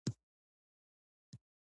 دوی به د عقل په موجب هڅه کوي.